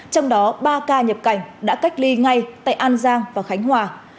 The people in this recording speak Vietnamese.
trong đó ba ca nhập cảnh đã cách ly ngay tại an giang và khánh hòa